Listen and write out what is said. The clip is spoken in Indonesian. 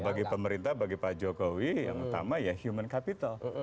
bagi pemerintah bagi pak jokowi yang utama ya human capital